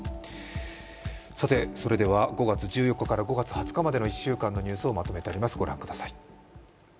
５月１４日から５月２０日、１週間のニュースをまとめてあります。